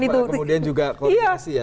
kemudian juga komunikasi ya